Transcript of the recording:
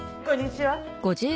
こんにちは。